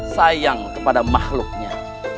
sayang kepada makhluknya